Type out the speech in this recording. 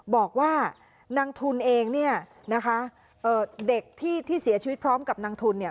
บอกว่านางทุนเองเนี่ยนะคะเอ่อเด็กที่เสียชีวิตพร้อมกับนางทุนเนี่ย